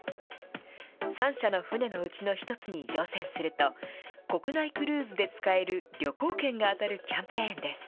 ３社の船のうちの１つに乗船すると、国内クルーズで使える旅行券が当たるキャンペーンです。